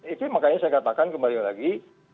itu makanya saya katakan kembali lagi